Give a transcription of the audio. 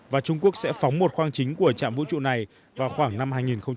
và trung quốc sẽ phóng một khoang chính của chạm vũ trụ này vào khoảng năm hai nghìn một mươi tám